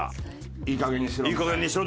「いいかげんにしろ！」